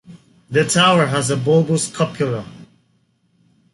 The tower has a bulbous cupola.